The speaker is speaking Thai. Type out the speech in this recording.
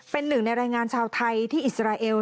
เป็นหนึ่งในแรงงานชาวไทยที่อิสราเอล